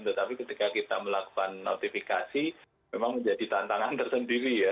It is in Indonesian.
tetapi ketika kita melakukan notifikasi memang menjadi tantangan tersendiri ya